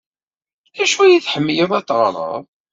D acu ay tḥemmled ad teɣred?